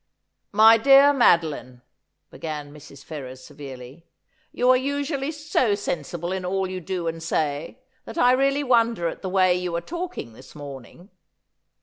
' My dear Madoline,' began Mrs. Ferrers severely, ' you are usually so sensible in all you do and say that I really wonder at the way you are talking this morning.